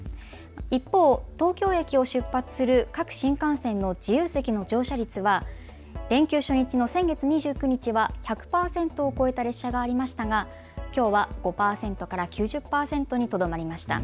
一方、東京駅を出発する各新幹線の自由席の乗車率は連休初日の先月２９日は１００％を超えた列車がありましたが、きょうは５％から９０％にとどまりました。